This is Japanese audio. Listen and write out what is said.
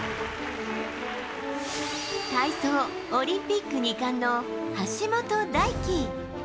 体操オリンピック２冠の橋本大輝。